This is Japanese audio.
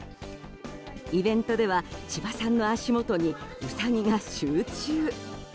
イベントでは千葉さんの足元にウサギが集中。